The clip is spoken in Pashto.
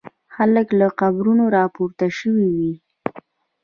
خلک له قبرونو را پورته شوي وي.